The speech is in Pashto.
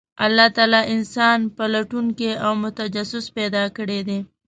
الله تعالی انسان پلټونکی او متجسس پیدا کړی دی،